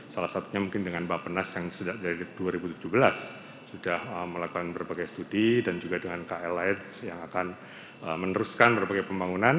salah satunya mungkin dengan bapak penas yang dari dua ribu tujuh belas sudah melakukan berbagai studi dan juga dengan kls yang akan meneruskan berbagai pembangunan